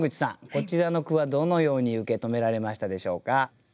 こちらの句はどのように受け止められましたでしょうか？